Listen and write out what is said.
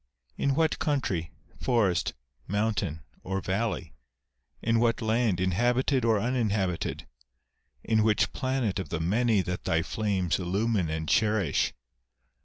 In what country, forest, mountain, or valley; in what land, inhabited or uninhabited ; in which planet of the many that thy flames illumine and cherish